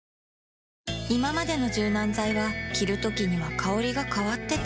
いままでの柔軟剤は着るときには香りが変わってた